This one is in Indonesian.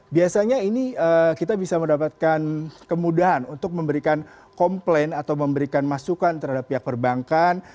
biasanya ini kita bisa mendapatkan kemudahan untuk memberikan komplain atau memberikan masukan terhadap pihak perbankan